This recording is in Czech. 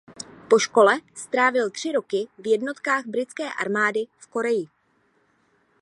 Po škole strávil tři roky v jednotkách britské armády v Koreji.